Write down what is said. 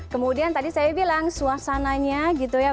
kemudian tadi saya bilang suasananya gitu ya